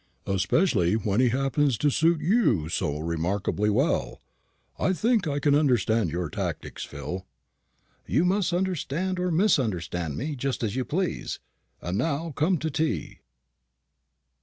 "Especially when he happens to suit you so remarkably well. I think I can understand your tactics, Phil." "You must understand or misunderstand me, just as you please. And now come to tea."